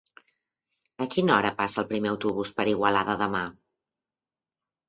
A quina hora passa el primer autobús per Igualada demà?